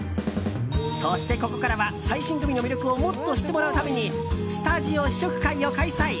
そしてここからは最新グミの魅力をもっと知ってもらうためにスタジオ試食会を開催。